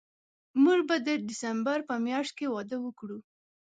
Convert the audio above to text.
موږ به د ډسمبر په میاشت کې واده وکړو